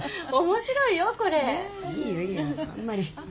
いいよいいよあんまり。